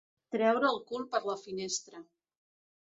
Treure el cul per la finestra.